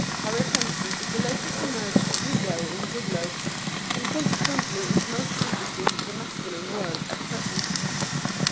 Harriet Henderson is the latest emerged widow in Goodloets and consequently is most interesting to the masculine world at present.